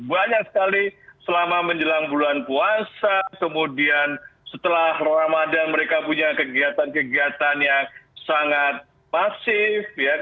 banyak sekali selama menjelang bulan puasa kemudian setelah ramadhan mereka punya kegiatan kegiatan yang sangat masif